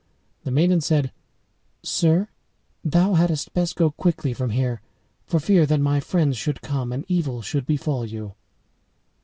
The maiden said, "Sir, thou hadst best go quickly from here, for fear that my friends should come, and evil should befall you."